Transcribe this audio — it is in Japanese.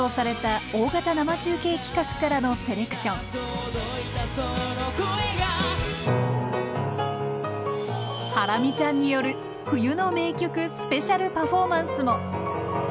去年放送されたハラミちゃんによる冬の名曲スペシャルパフォーマンスも。